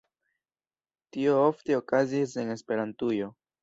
Tio ofte okazis en Esperantujo.